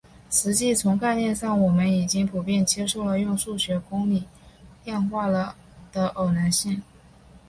实际从概念上我们已经普遍接受了用数学公理量化了的偶然性。